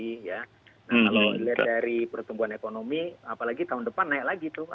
nah kalau dilihat dari pertumbuhan ekonomi apalagi tahun depan naik lagi tuh